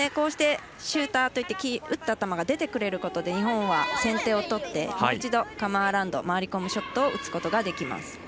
シューターといって打った球が出てくれることで日本は先手を取って一度、カム・アラウンド回り込んでショットを打つことができます。